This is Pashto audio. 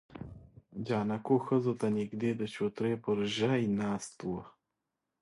جانکو ښځو ته نږدې د چوترې پر ژی ناست و.